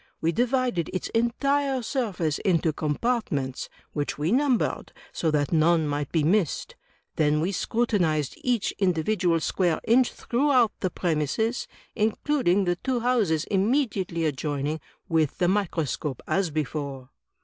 We divided its entire stirface into compartments, which we ntunbered, so that none might be missed; then we scrutinized each individual square inch throughout the premises, including the two houses inunediately adjoining, with the microscope, as before."